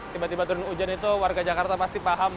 tiba tiba turun hujan itu warga jakarta pasti paham